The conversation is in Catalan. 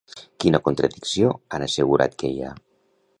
Quina contradicció han assegurat que hi ha?